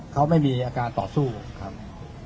เขาไม่มีอาการต่อสู้ครับ